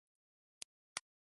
どうすればいいのかわからない